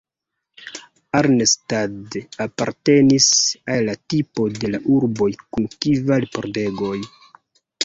Arnstadt apartenis al la tipo de la urboj kun kvar pordegoj.